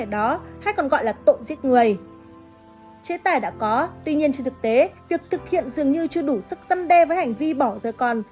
đã có tuy nhiên trên thực tế việc thực hiện dường như chưa đủ sức dân đe với hành vi bỏ rơi con